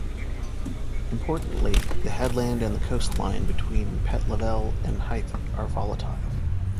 Importantly, the headland and the coastline between Pett Level and Hythe are volatile.